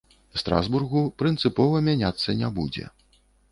Страсбургу, прынцыпова мяняцца не будзе.